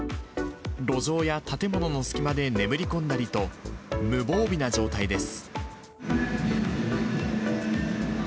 路上や建物の隙間で眠り込んだりと、無防備な状態です。